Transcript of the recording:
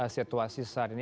situasi saat ini